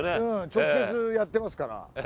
直接やってますから。